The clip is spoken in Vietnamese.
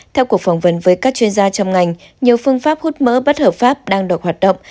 theo cuộc phỏng vấn với các chuyên gia trong ngành nhiều phương pháp hút mỡ bất hợp pháp đang được hoạt động